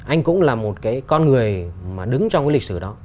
anh cũng là một cái con người mà đứng trong cái lịch sử đó